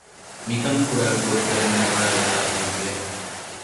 މިކަން ކުރާގޮތް ދަންނަވައިލާ ހިތްވެ